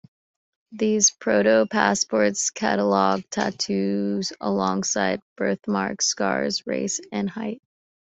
These proto-passports catalogued tattoos alongside birthmarks, scars, race, and height.